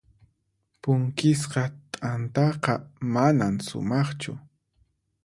Punkisqa t'antaqa manan sumaqchu.